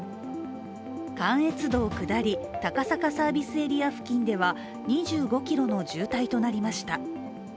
関越道下り、高坂サービスエリア付近では２５ｋｍの渋滞となりました。